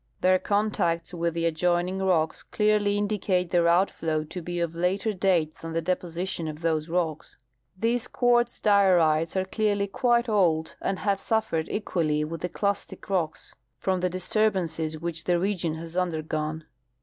Their contacts Avith the adjoining rocks clearly indicate their outfloAV to be of later date than the deposition of those rocks. These quartz diorites are clearly quite old, and have suffered equally Avith the clastic rocks from the disturbances Avhich the region has undergone.